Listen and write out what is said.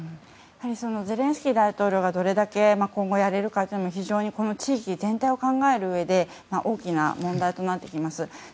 ゼレンスキー大統領がどれだけ今後やれるかというのは非常に地域全体を考えるうえで大きな問題となってきます。